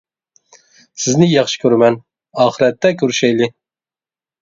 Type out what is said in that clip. سىزنى ياخشى كۆرىمەن، ئاخىرەتتە كۆرۈشەيلى!